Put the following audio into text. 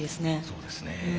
そうですね。